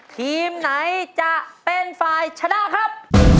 ทีมไหนจะเป็นฝ่ายชนะครับ